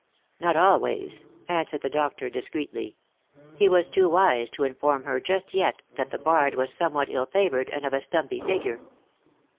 " Not always," answered the doctor discreetly. He was too wise to inform her just yet that the bard was somewhat ill favoured and of a stumpy figure.